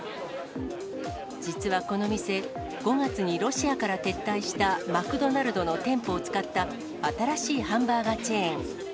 実はこの店、５月にロシアから撤退したマクドナルドの店舗を使った新しいハンバーガーチェーン。